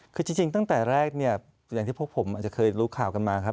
คือจริงตั้งแต่แรกเนี่ยอย่างที่พวกผมอาจจะเคยรู้ข่าวกันมาครับ